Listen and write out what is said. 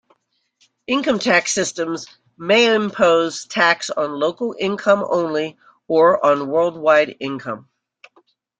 Income tax systems may impose tax on local income only or on worldwide income.